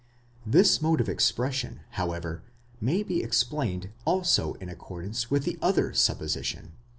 '* This mode of expression, however, may be explained also in accordance with the other supposition